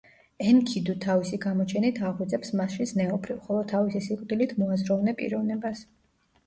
ენქიდუ თავისი გამოჩენით აღვიძებს მასში ზნეობრივ, ხოლო თავისი სიკვდილით—მოაზროვნე პიროვნებას.